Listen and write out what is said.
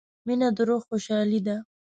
• مینه د روح خوشحالي ده.